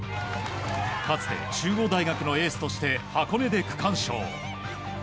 かつて、中央大学のエースとして箱根で区間賞。